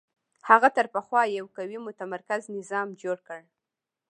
هغه تر پخوا یو قوي متمرکز نظام جوړ کړ